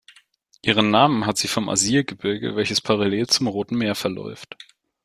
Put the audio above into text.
Ihren Namen hat sie vom Asir-Gebirge, welches parallel zum Roten Meer verläuft.